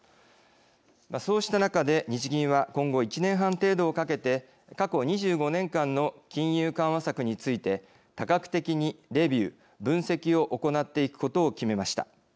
そうした中で、日銀は今後１年半程度をかけて過去２５年間の金融緩和策について多角的にレビュー分析を行っていくことを決めました。